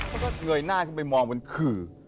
มันก็เงยหน้าขึ้นไปมองบนขื่อ